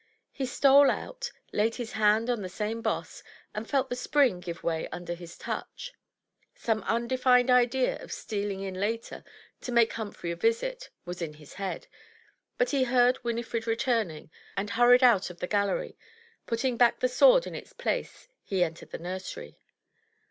He stole out, laid his hand on the same boss, and felt the spring give way under his touch. Some undefined idea of stealing in later, to make Humphrey a visit, was in his head; but he heard Winifred returning, and hurried out of the gallery. Putting back the sword in its place, he entered the nursery.